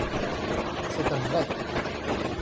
C'est un vrai.